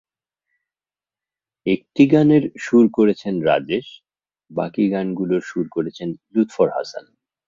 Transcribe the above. একটি গানের সুর করেছেন রাজেশ, বাকি গানগুলোর সুর করেছেন লুত্ফর হাসান।